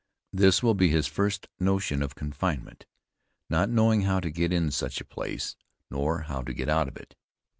This will be his first notion of confinement not knowing how to get in such a place, nor how to get out of it.